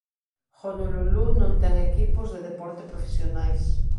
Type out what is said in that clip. Honolulu non ten equipos de deporte profesionais.